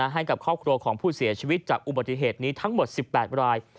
ให้กับครอบครัวของผู้เสียชีวิตจากอุบัติเหตุนี้ทั้งหมด๑๘ราย